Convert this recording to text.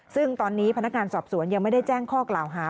ซึ่งตอนนี้พนักงานสอบสวนยังไม่ได้แจ้งข้อกล่าวหา